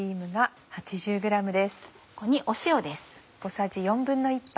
ここに塩です。